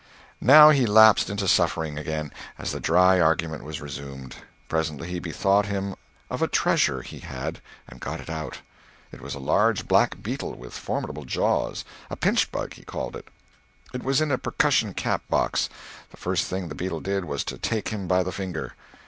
Now he lapsed into suffering again, as the dry argument was resumed. Presently he bethought him of a treasure he had and got it out. It was a large black beetle with formidable jaws—a "pinchbug," he called it. It was in a percussion cap box. The first thing the beetle did was to take him by the finger.